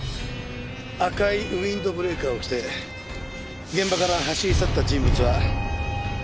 赤いウィンドブレーカーを着て現場から走り去った人物は。